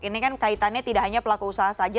ini kan kaitannya tidak hanya pelaku usaha saja